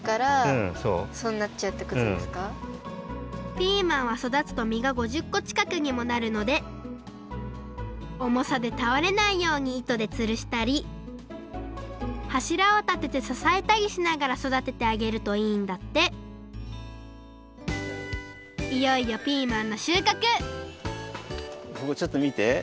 ピーマンはそだつとみが５０こちかくにもなるのでおもさでたおれないようにいとでつるしたりはしらをたててささえたりしながらそだててあげるといいんだっていよいよピーマンのしゅうかくここちょっとみて。